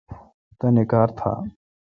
تانی کار تھا۔